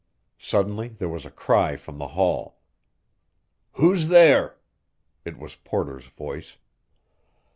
Suddenly there was a cry from the hall. "Who's there?" It was Porter's voice.